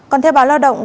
còn theo báo lao động